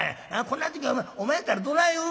こんな時お前やったらどない言う？」。